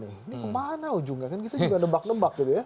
ini kemana ujungnya kan kita juga nebak nebak gitu ya